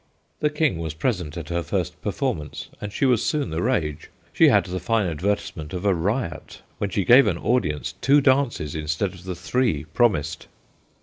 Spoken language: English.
The King was present at her first per formance, and she was soon the rage. She had the fine advertisement of a riot, when she gave an audience two dances instead of the three promised.